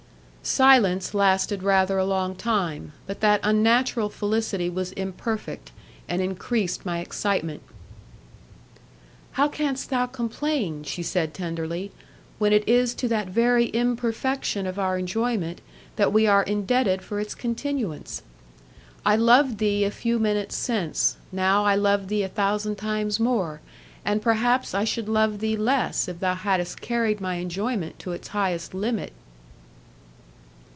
Silence lasted rather a long time, but that unnatural felicity was imperfect, and increased my excitement. "How canst thou complain," she said tenderly, "when it is to that very imperfection of our enjoyment that we are indebted for its continuance? I loved thee a few minutes since, now I love thee a thousand times more, and perhaps I should love thee less if thou hadst carried my enjoyment to its highest limit."